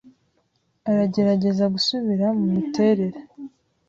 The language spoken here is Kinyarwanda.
aragerageza gusubira mumiterere.